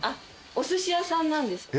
おすし屋さんなんです。